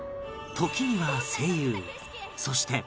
時には声優そして